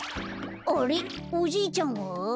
あれっおじいちゃんは？